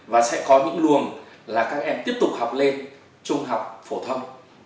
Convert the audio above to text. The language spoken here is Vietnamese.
và sẽ có những luồng là các em tiếp tục học lên trung học phổ thông